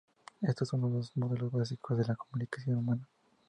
Estos son los dos modos básicos de la comunicación humana.